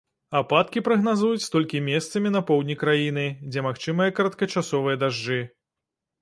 Ападкі прагназуюць толькі месцамі на поўдні краіны, дзе магчымыя кароткачасовыя дажджы.